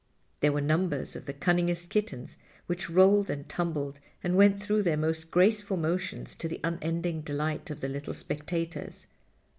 There were numbers of the cunningest kittens, which rolled and tumbled and went through their most graceful motions to the unending delight of the little spectators.